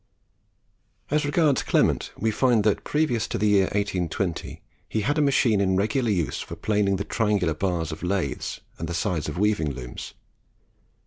As regards Clement, we find that previous to the year 1820 he had a machine in regular use for planing the triangular bars of lathes and the sides of weaving looms.